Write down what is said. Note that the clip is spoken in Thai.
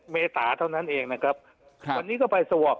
เมษาเท่านั้นเองนะครับวันนี้ก็ไปสวอป